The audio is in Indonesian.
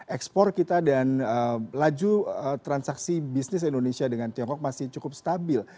ekspor kita dan laju transaksi bisnis indonesia dengan tiongkok masih cukup stabil